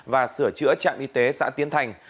và sửa chữa trạng y tế xã tiến thành